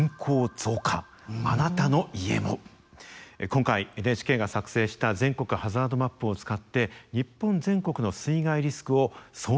今回ＮＨＫが作成した全国ハザードマップを使って日本全国の水害リスクを総点検いたしました。